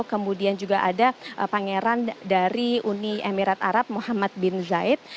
kemudian juga ada pangeran dari uni emirat arab muhammad bin zaid